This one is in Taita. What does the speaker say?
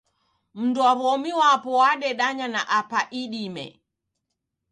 Mundu wa w'omi wapo wadendanya na apa idime.